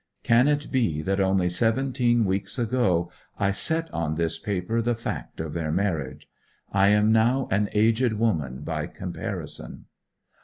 Can it be that only seventeen weeks ago I set on this paper the fact of their marriage? I am now an aged woman by comparison!